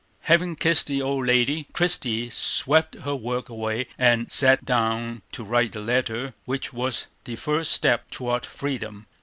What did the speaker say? Having kissed the old lady, Christie swept her work away, and sat down to write the letter which was the first step toward freedom.